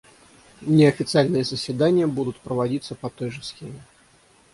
Неофициальные заседания будут проводиться по той же схеме.